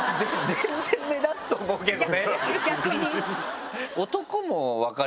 全然目立つと思うけどね。